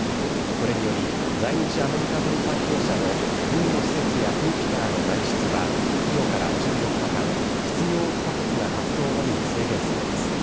これにより、在日アメリカ軍関係者の軍の施設や区域からの外出はきょうから１４日間、必要不可欠な活動のみに制限されます。